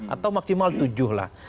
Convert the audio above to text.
atau maksimal tujuh lah